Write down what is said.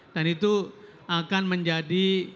dan itu akan menjadi budaya baru